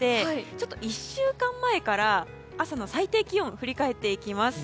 ちょっと１週間前から朝の最低気温を振り返っていきます。